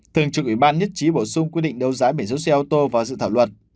thường trực ủy ban nhất trí bổ sung quy định đấu giá biển giữ xe ô tô vào dự thảo luật